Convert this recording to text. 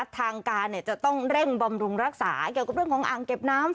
ทางการจะต้องเร่งบำรุงรักษาเกี่ยวกับเรื่องของอ่างเก็บน้ำ